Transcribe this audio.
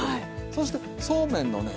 そしてそうめんのね